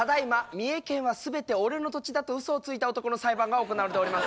「三重県は全て俺の土地だ」とウソをついた男の裁判が行われております。